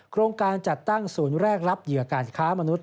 โครงการจัดตั้งศูนย์แรกรับเหยื่อการค้ามนุษย